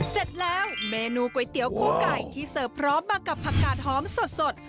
เสร็จแล้วเมนูก๋วยเตี๋ยวคู่ไก่ที่เสิร์ฟพร้อมมากับผักกาดหอมสด